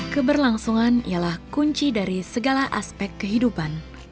keberlangsungan ialah kunci dari segala aspek kehidupan